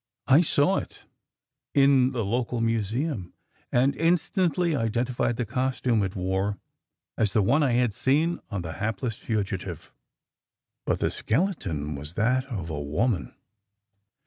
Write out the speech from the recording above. "I saw it in the local museum, and instantly identified the costume it wore as the one I had seen on the hapless fugitive. But the skeleton was that of a WOMAN!"